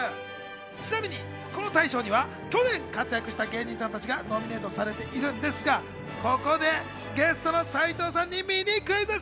ちなみにこの大賞には去年活躍した芸人さんたちがノミネートされているんですが、ここでゲストの斉藤さんにミニクイズッス。